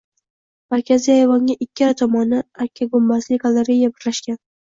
Markaziy ayvonga ikkala tomondan arka-gumbazli galereya birlashgan